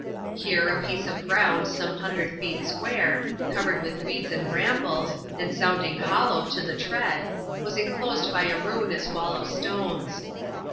Here, a piece of ground some hundred feet square, covered with weeds and brambles, and sounding hollow to the tread, was inclosed by a ruinous wall of stones.